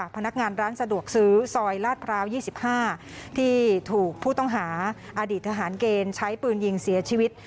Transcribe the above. พนักงานร้านสะดวกซื้อซอยลาดพร้าว๒๕ที่ถูกผู้ต้องหาอดีตทหารเกณฑ์ใช้ปืนยิงเสียชีวิต